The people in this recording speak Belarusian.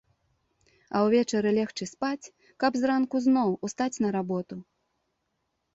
А ўвечары легчы спаць, каб зранку зноў устаць на работу.